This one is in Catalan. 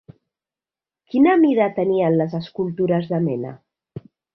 Quina mida tenien les escultures de Mena?